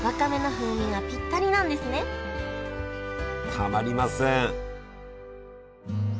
たまりません。